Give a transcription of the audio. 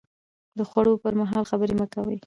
د خوړو پر مهال خبرې مه کوئ